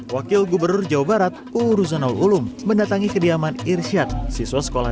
wakil gubernur jawa barat uu ruzanul ulum mendatangi kediaman irsyad siswa sekolah